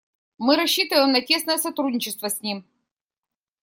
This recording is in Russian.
Мы рассчитываем на тесное сотрудничество с ним.